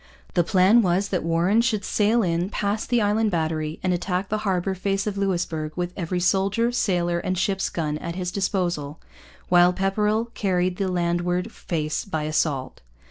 The plan was that Warren should sail in, past the Island Battery, and attack the harbour face of Louisbourg with every soldier, sailor, and ship's gun at his disposal; while Pepperrell carried the landward face by assault.